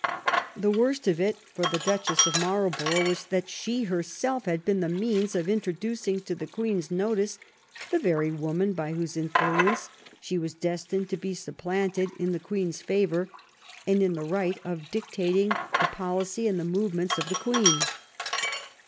The worst of it, for the Duchess of Marl borough, was that she herself had been the means of introducing to the Queen's notice the very woman by whose influence she was destined to be supplanted in the Queen's favor and in the right of dictating the policy and the movements of the Queen.